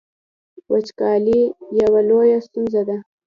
وچکالي یوه لویه ستونزه ده